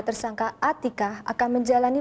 tersangka atika akan menjalani